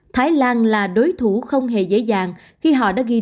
thái lan là đối thủ không hề dễ dàng khi họ đã ghi được một mươi năm bàn thắng